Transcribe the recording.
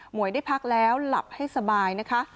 วยได้พักแล้วหลับให้สบายนะคะ